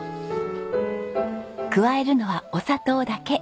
加えるのはお砂糖だけ。